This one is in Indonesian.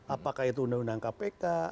apakah itu undang undang kpk